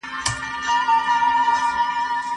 دا نمونه مي ډېره خوښه سوه.